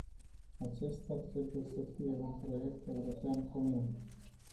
Acesta trebuie să fie un proiect european comun.